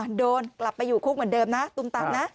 โดนกลับไปอยู่คุกเหมือนเดิมนะตุมตามนะ